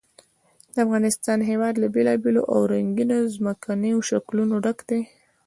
د افغانستان هېواد له بېلابېلو او رنګینو ځمکنیو شکلونو ډک دی.